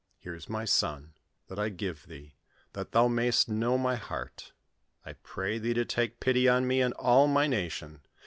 Here is my son, that I give thee, that thou mayst know my heart. I pray thee to take pity on me and all my nation.